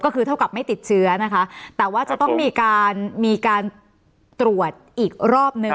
ก็คือเท่ากับไม่ติดเชื้อนะคะแต่ว่าจะต้องมีการมีการตรวจอีกรอบนึง